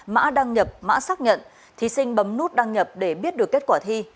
mã đăng nhập mã xác nhận thí sinh bấm nút đăng nhập để biết được kết quả thi